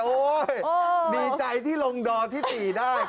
โอเคโอ้ยดีใจที่ลงดอที่๔ได้